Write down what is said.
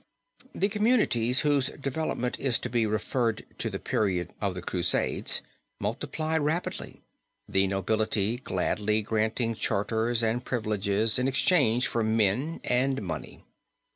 "The communities whose development is to be referred to the period of the Crusades, multiplied rapidly; the nobility gladly granting charters and privileges in exchange for men and money.